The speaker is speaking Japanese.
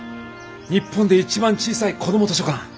日本で一番小さい子ども図書館。